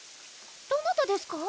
どなたですか？